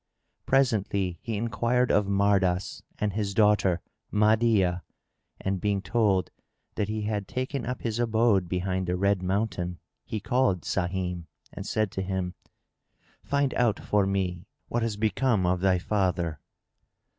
Presently he enquired of Mardas and his daughter Mahdiyah, and, being told that he had taken up his abode behind the Red Mountain, he called Sahim and said to him, "Find out for me what is become of thy father."